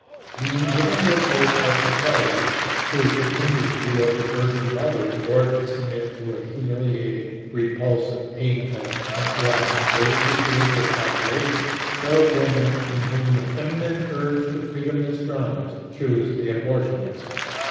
Being given their choice by society—to continue to be overburdened mothers or to submit to a humiliating, repulsive, painful and too often gravely dangerous operation, those women in whom the feminine urge to freedom is strongest choose the abortionist.